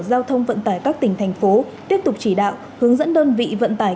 giao thông vận tải các tỉnh thành phố tiếp tục chỉ đạo hướng dẫn đơn vị vận tải